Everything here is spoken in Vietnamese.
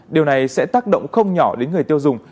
điều này sẽ tác động không nhỏ đến người tiêu dùng